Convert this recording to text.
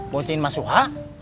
mau singin mas suha